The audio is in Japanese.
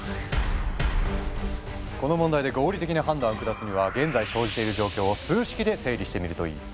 この問題で合理的な判断を下すには現在生じている状況を数式で整理してみるといい。